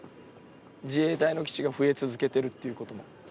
自衛隊の基地が増え続けてるってことも。